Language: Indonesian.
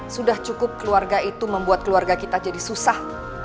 sudah cukup keluarga itu membuat keluarga kita jadi susah